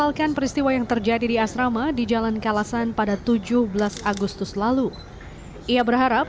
hal peristiwa yang terjadi di asrama di jalan kalasan pada tujuh belas agustus lalu ia berharap